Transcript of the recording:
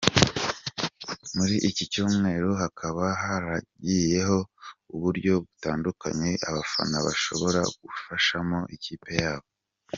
Muri iki cyumweru hakaba haragiyeho uburyo butandukanye abafana bashobora gufashamo ikipe yabo.